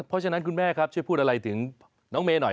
เพราะฉะนั้นคุณแม่ครับช่วยพูดอะไรถึงน้องเมย์หน่อย